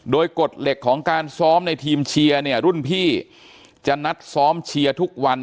โดยกฎเหล็กของการซ้อมในทีมเชียร์เนี่ยรุ่นพี่จะนัดซ้อมเชียร์ทุกวัน